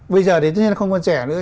bây giờ thì tất nhiên không còn trẻ nữa